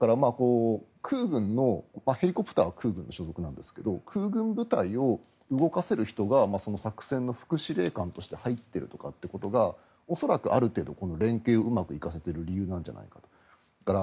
空軍のヘリコプター空軍部隊を動かせる人が作戦の副司令官として入っているということが恐らくある程度連携をうまくいかせている理由じゃないかなと。